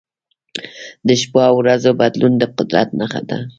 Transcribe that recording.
د شپو او ورځو بدلون د قدرت نښه ده.